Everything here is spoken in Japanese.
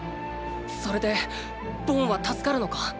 それでボンは助かるのか？